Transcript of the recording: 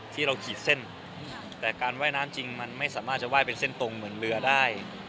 ขีดเส้นแต่การว่ายน้ำจริงมันไม่สามารถจะไห้เป็นเส้นตรงเหมือนเรือได้